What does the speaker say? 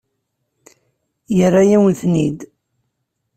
Yerra-yawen-ten-id?